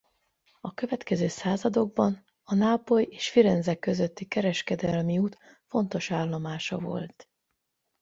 A következő századokban a Nápoly és Firenze közötti kereskedelmi út fontos állomása volt.